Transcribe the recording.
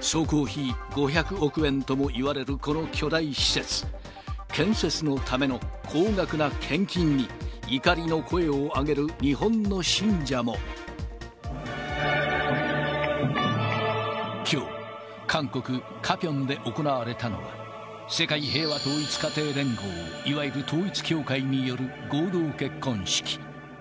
総工費５００億円ともいわれるこの巨大施設、建設のための高額な献金に、きょう、韓国・カピョンで行われたのは、世界平和統一家庭連合、いわゆる統一教会による合同結婚式。